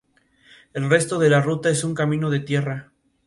El resto de la ruta es un camino de tierra.